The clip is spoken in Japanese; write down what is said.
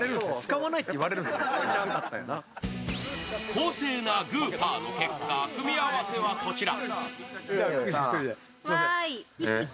公正なグーパーの結果組み合わせはこちら。